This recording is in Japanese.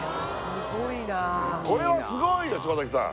これはすごいよ芝崎さん